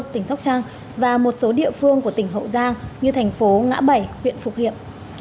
tỉnh sóc trăng và một số địa phương của tỉnh hậu giang như thành phố ngã bảy huyện phục hiệp